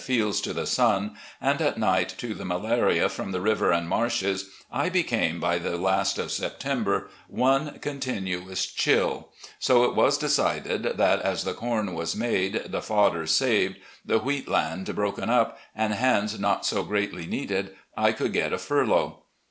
PRESIDENT OF WASHINGTON COLLEGE 191 night to the malaria from the river and marshes, I became by the last of September one continuous "chill," so it was decided that, as the com was made, the fodder saved, the wheat land broken up, and hands not so greatly needed, I shoxald get a furlough.